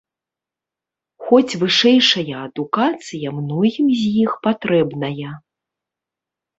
Хоць вышэйшая адукацыя многім з іх патрэбная.